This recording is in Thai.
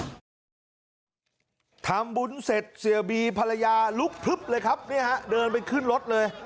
ทำบุญเสร็จเสียบีภรรยาลุกพลึบเลยครับเนี่ยฮะเดินไปขึ้นรถเลย